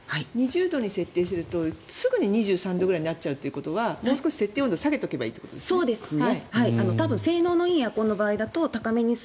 ２０度に設定するとすぐに２３度になっちゃうということはもう少し設定温度を下げておくといいんですね。